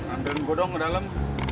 ambilan gue dong ke dalam